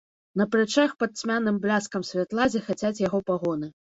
На плячах, пад цьмяным бляскам святла, зіхацяць яго пагоны.